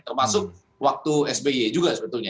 termasuk waktu sby juga sebetulnya